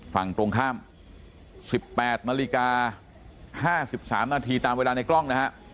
ฝั่งตรงข้าม๑๘นาฬิกา๕๓นาทีตามเวลาในกล้องนะฮะ